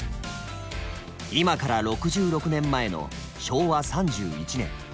今から６６年前の昭和３１年。